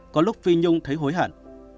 có lúc phi nhung thấy hối hận